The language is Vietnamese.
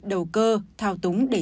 đầu cơ thảo